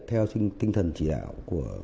theo tinh thần chỉ đạo của